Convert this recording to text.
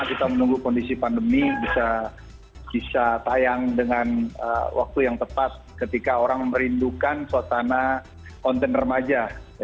kita menunggu kondisi pandemi bisa tayang dengan waktu yang tepat ketika orang merindukan suasana konten remaja